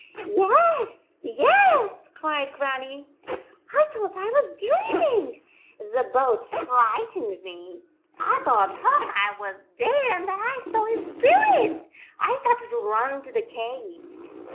"Yes, yes," cried Grannie. "1 thought I was dreaming! The boat frightened me. I thought Hawk Eye was dead and that I saw his spirit. I started to run to the cave."